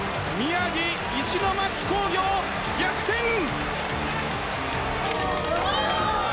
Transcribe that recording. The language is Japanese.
宮城・石巻工業、逆転！